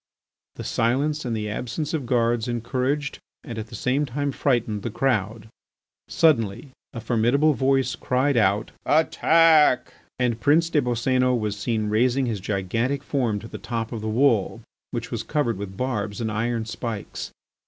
This silence and the absence of guards encouraged and at the same time frightened the crowd. Suddenly a formidable voice cried out: "Attack!" And Prince des Boscénos was seen raising his gigantic form to the top of the wall, which was covered with barbs and iron spikes.